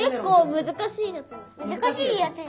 むずかしいやつにする。